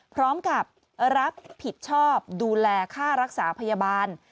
พร้อมกับรับผิดชอบดูแลค่ารักษาพยาบาล